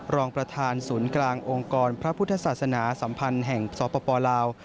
รองประธานศูนย์กลางองค์กรพระพุทธศาสนาสัมพันธ์แห่งสปลาว